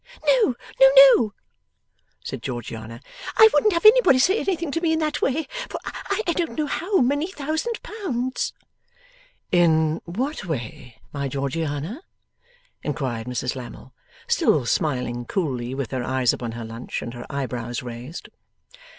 'No, no, no,' said Georgiana. 'I wouldn't have anybody say anything to me in that way for I don't know how many thousand pounds.' 'In what way, my Georgiana?' inquired Mrs Lammle, still smiling coolly with her eyes upon her lunch, and her eyebrows raised.